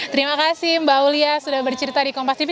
terima kasih mbak aulia sudah bercerita di kompas tv